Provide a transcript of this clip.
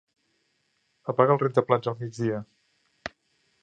Apaga el rentaplats al migdia.